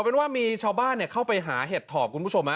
เป็นว่ามีชาวบ้านเข้าไปหาเห็ดถอบ